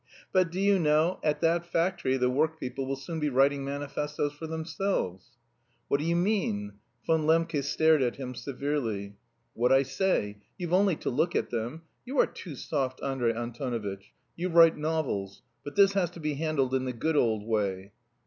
But do you know, at that factory the workpeople will soon be writing manifestoes for themselves." "What do you mean?" Von Lembke stared at him severely. "What I say. You've only to look at them. You are too soft, Andrey Antonovitch; you write novels. But this has to be handled in the good old way."